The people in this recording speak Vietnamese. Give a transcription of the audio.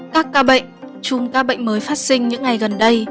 các ca bệnh chung ca bệnh mới phát sinh những ngày gần đây